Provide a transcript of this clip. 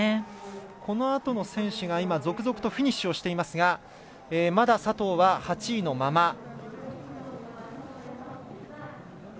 このあとの選手が続々とフィニッシュしていますがまだ佐藤は８位のまま。